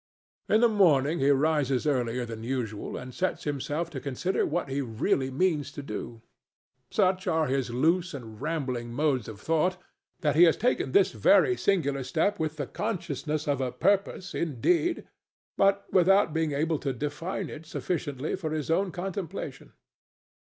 In the morning he rises earlier than usual and sets himself to consider what he really means to do. Such are his loose and rambling modes of thought that he has taken this very singular step with the consciousness of a purpose, indeed, but without being able to define it sufficiently for his own contemplation.